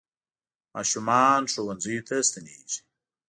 ماشومان ښوونځیو ته ستنېږي.